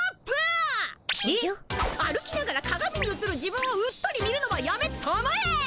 歩きながらかがみにうつる自分をうっとり見るのはやめたまえ。